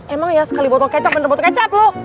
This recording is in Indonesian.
emang ya sekali botol kecap bener botol kecap lo